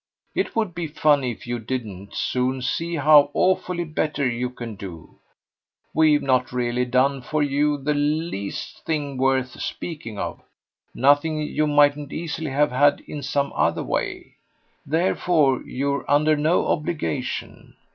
It would be funny if you didn't soon see how awfully better you can do. We've not really done for you the least thing worth speaking of nothing you mightn't easily have had in some other way. Therefore you're under no obligation.